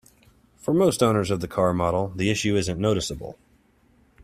For most owners of the car model, the issue isn't noticeable.